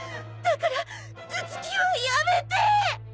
だから頭突きはやめて！